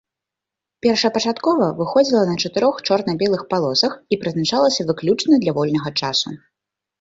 Першапачаткова выходзіла на чатырох чорна-белых палосах і прызначалася выключна для вольнага часу.